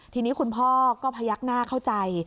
ทีนี้คุณพ่อก็พยักหน้าเข้าใจ